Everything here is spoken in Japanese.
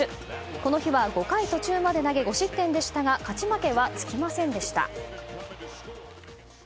この日は５回途中まで投げ５失点でしたが勝ち負けはつきませんでした。